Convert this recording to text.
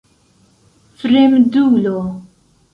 fremdulo